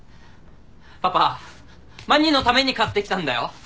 パパまにのために買ってきたんだよ？